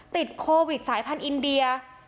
ติดโควิดสายพันธุ์อินเดีย